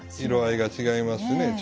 色合いが違いますしね。